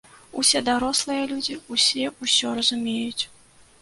Усе дарослыя людзі, усе ўсё разумеюць.